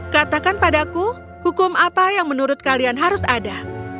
katakan padaku hukum apa yang menurut kalian harus ada